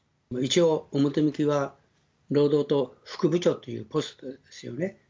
一応、表向きは労働党副部長というポストですよね。